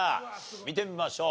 見てみましょう。